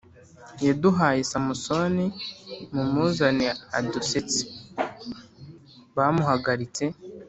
Yaduhaye samusoni mumuzane adusetse bamuhagaritse